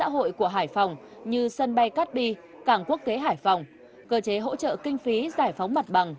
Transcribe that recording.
hội của hải phòng như sân bay cát bi cảng quốc tế hải phòng cơ chế hỗ trợ kinh phí giải phóng mặt bằng